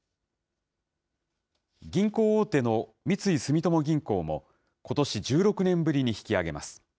銀行大手の三井住友銀行も、ことし１６年ぶりに引き上げます。